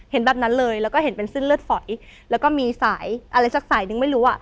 แบบนั้นเลยแล้วก็เห็นเป็นเส้นเลือดฝอยแล้วก็มีสายอะไรสักสายนึงไม่รู้อ่ะ